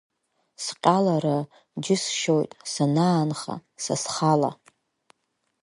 Сҟьалара џьысшьоит санаанха са схала.